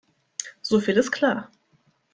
So viel ist klar.